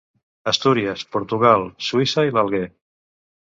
Astúries, Portugal, Suïssa i l'Alguer.